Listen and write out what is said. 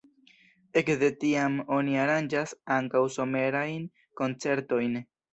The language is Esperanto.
Ekde tiam oni aranĝas ankaŭ somerajn koncertojn.